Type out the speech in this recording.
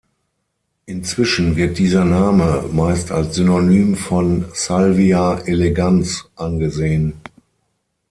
Inzwischen wird dieser Name meist als Synonym von "Salvia elegans" angesehen.